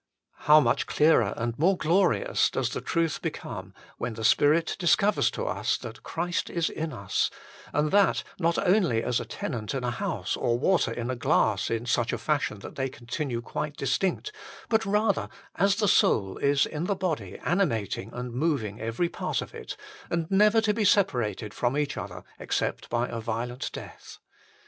How much clearer and more glorious does the truth become when the Spirit discovers to us that Christ is in us ; and that, not only as a tenant in a house, or water in a glass, in such a fashion that they continue quite distinct, but rather as the soul is in the body animating and moving every part of it, and never to be separated from each other except by a violent death.